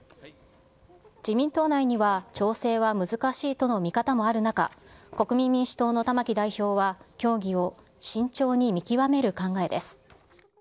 自民党内には調整は難しいとの見方もある中、国民民主党の玉木代表は協議を慎重に見極める考えです。